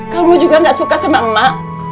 kamu juga gak suka sama emak